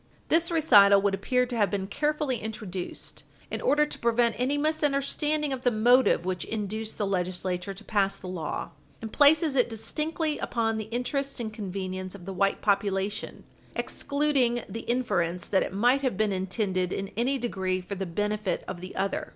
This recital would appear to have been carefully introduced in order to prevent any misunderstanding of the motive which induced the Legislature to pass the law, and places it distinctly upon the interest and convenience of the white population excluding the inference that it might have been intended in any degree for the benefit of the other.